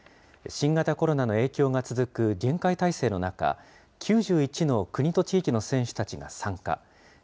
新型コロナの影響が続く、厳戒態勢の中、９１の国と地域の選手たちが参加。